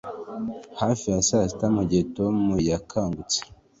Hafi ya saa sita mugihe Tom yakangutse